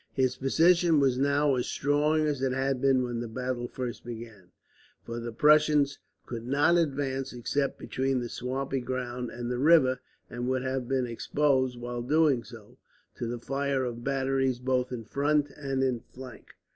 His position was now as strong as it had been when the battle first began, for the Prussians could not advance except between the swampy ground and the river; and would have been exposed, while doing so, to the fire of batteries both in front and in flank.